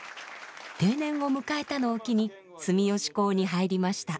定年を迎えたのを機に住吉講に入りました。